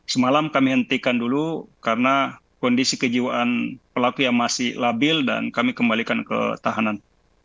semalam kami hentikan dulu karena kondisi kejiwaan pelaku yang masih labil dan kami kembalikan ke tahanan